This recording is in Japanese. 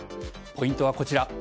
ポイントはこちら。